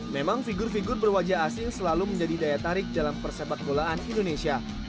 memang figur figur berwajah asing selalu menjadi daya tarik dalam persepak bolaan indonesia